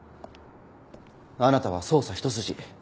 あなたは捜査一筋。